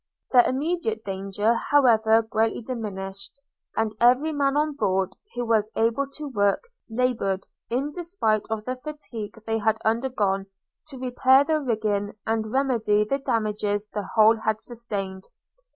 Their immediate danger, however, gradually diminished; and every man on board, who was able to work, laboured, in despite of the fatigue they had undergone, to repair their rigging, and remedy the damages the hull had sustained.